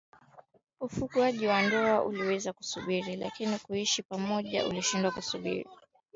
Ufungwaji wa ndoa uliweza kusubiri lakini kuishi pamoja kulishindwa kusubiri